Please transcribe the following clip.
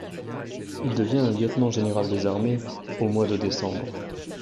Il devient lieutenant-général des armées au mois de décembre.